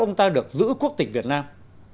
ông ta được giữ quốc tịch việt nam